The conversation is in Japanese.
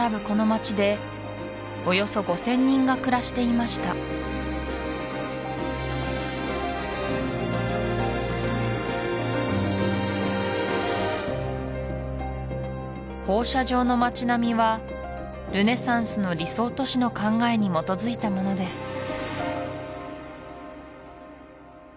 この街でおよそ５０００人が暮らしていました放射状の街並みはルネサンスの理想都市の考えに基づいたものです